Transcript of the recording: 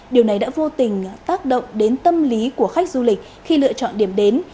điều này đã vô tình tác động đến tâm lý của khách du lịch khi lựa chọn điểm đến